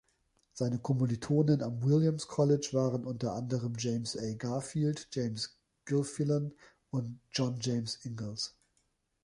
Seine Kommilitonen am Williams College waren unter anderem James A. Garfield, James Gilfillan und John James Ingalls.